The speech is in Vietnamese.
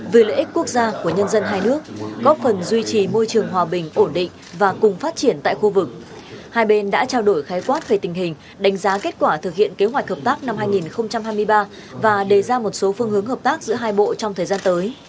vì lợi ích quốc gia của nhân dân hai nước góp phần duy trì môi trường hòa bình ổn định và cùng phát triển tại khu vực hai bên đã trao đổi khái quát về tình hình đánh giá kết quả thực hiện kế hoạch hợp tác năm hai nghìn hai mươi ba và đề ra một số phương hướng hợp tác giữa hai bộ trong thời gian tới